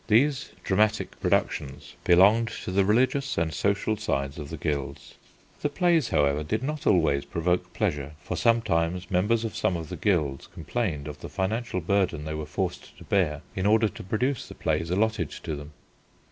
These dramatic productions belonged to the religious and social sides of the guilds. The plays, however, did not always provoke pleasure, for sometimes members of some of the guilds complained of the financial burden they were forced to bear in order to produce the plays allotted to them.